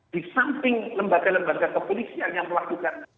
di samping lembaga lembaga kepolisian yang melakukan